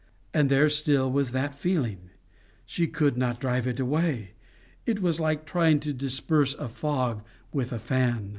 And there still was that feeling! she could not drive it away. It was like trying to disperse a fog with a fan.